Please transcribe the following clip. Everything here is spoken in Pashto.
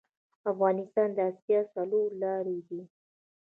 افغانستان د اسیا څلور لارې ده